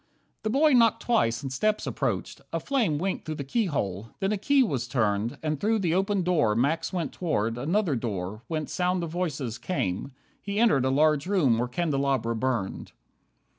The boy knocked twice, and steps approached. A flame Winked through the keyhole, then a key was turned, And through the open door Max went toward Another door, whence sound of voices came. He entered a large room where candelabra burned.